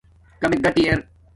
کمک گاٹی ار